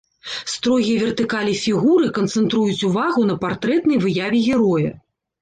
Строгія вертыкалі фігуры канцэнтруюць увагу на партрэтнай выяве героя.